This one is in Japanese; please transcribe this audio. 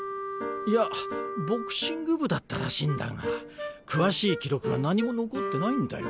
いやボクシング部だったらしいんだが詳しい記録が何も残ってないんだよ。